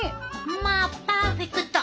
まあパーフェクト！